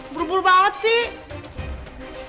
buru buru banget sih